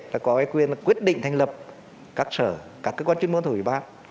là có quyền quyết định thành lập các cơ quan chuyên môn thuộc ủy ban